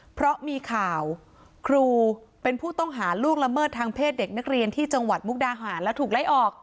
เพราะมีข่าวครูเป็นผู้ต้องหาล่วงละเมิดทางเพศเด็กนักเรียนที่จังหวัดมุกดาหารแล้วถูกไล่ออก